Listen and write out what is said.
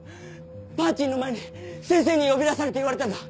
パーティーの前に先生に呼び出されて言われたんだ。